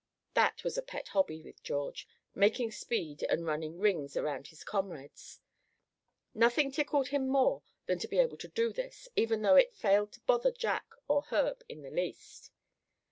That was a pet hobby with George, making speed, and "running rings" around his comrades. Nothing tickled him more than to be able to do this, even though it failed to bother Jack or Herb in the least.